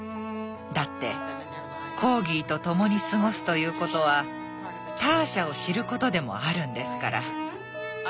だってコーギーと共に過ごすということはターシャを知ることでもあるんですから。